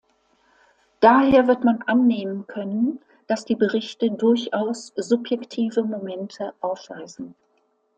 Daher wird man annehmen können, dass die Berichte durchaus subjektive Momente aufweisen.